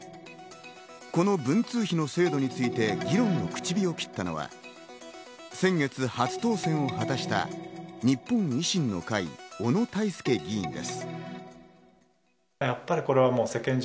この文通費の制度について議論の口火を切ったのは先月、初当選を果たした日本維新の会、小野泰輔議員です。